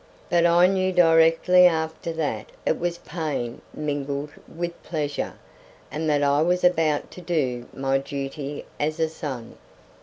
But I knew directly after that it was pain mingled with pleasure, and that I was about to do my duty as a son.